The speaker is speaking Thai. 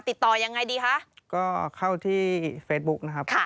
ติดต่อยังไงดีคะก็เข้าที่เฟซบุ๊กนะครับค่ะ